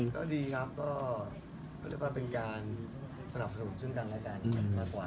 ก็ดีครับก็เรียกว่าเป็นการสนับสนุนซึ่งกันและกันมากกว่า